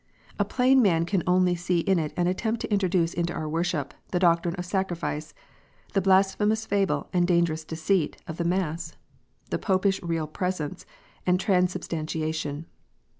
A plain man can only see in it an attempt to introduce into our worship the doctrine of sacrifice, the "blasphemous fable and dangerous deceit" of the mass, the Popish real presence, and transubstantiation.